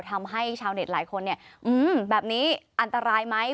ทำให้ชาวเน็ตหลายคนเนี่ยแบบนี้อันตรายไหม